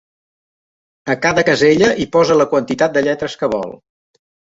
A cada casella hi posa la quantitat de lletres que vol.